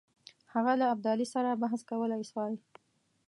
هغه له ابدالي سره بحث کولای سوای.